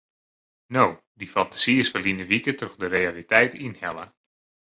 No, dy fantasy is ferline wike troch de realiteit ynhelle.